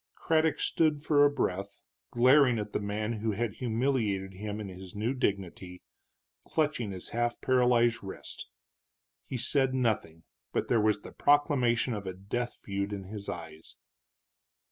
Craddock stood for a breath glaring at the man who had humiliated him in his new dignity, clutching his half paralyzed wrist. He said nothing, but there was the proclamation of a death feud in his eyes.